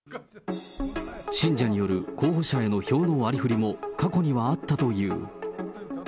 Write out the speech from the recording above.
信者による候補者への票の割りふりも過去にはあったという。